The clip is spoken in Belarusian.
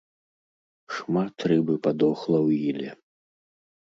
Шмат рыбы падохла ў іле.